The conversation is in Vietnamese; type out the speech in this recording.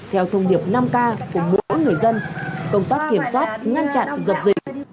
theo thông điệp năm k của mỗi người dân công tác kiểm soát ngăn chặn dập dịch